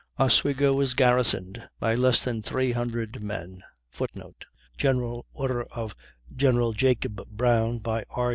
Oswego was garrisoned by less than 300 men, [Footnote: General order of Gen. Jacob Brown, by R.